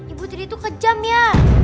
ibu tiri itu kejam ya